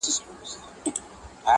• که غزلي د شېراز لال و مرجان دي..